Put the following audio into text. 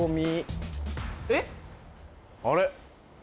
あれ？